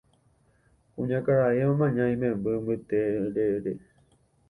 Kuñakarai omaña imemby mbyterére